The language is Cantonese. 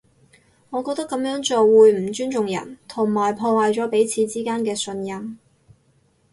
我覺得噉樣做會唔尊重人，同埋破壞咗彼此之間嘅信任